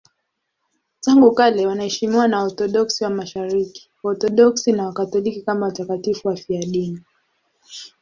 Tangu kale wanaheshimiwa na Waorthodoksi wa Mashariki, Waorthodoksi na Wakatoliki kama watakatifu wafiadini.